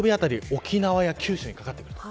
沖縄や九州に掛かってくる。